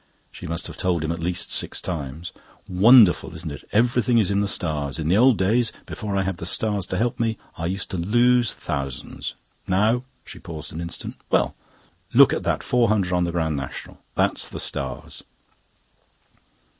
She must have told him at least six times. "Wonderful, isn't it? Everything is in the Stars. In the Old Days, before I had the Stars to help me, I used to lose thousands. Now" she paused an instant "well, look at that four hundred on the Grand National. That's the Stars."